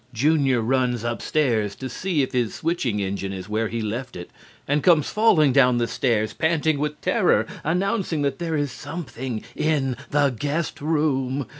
Junior runs upstairs to see if his switching engine is where he left it and comes falling down stairs panting with terror announcing that there is Something in the guest room.